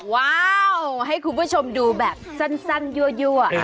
ว้าวให้คุณผู้ชมดูแบบสั้นยั่ว